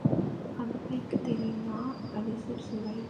அகப்பைக்குத் தெரியுமா அடிசிற் சுவை?